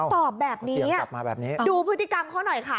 ตอบแบบนี้ดูพฤติกรรมเขาหน่อยค่ะ